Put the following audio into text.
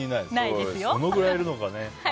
どのくらいいるのかね。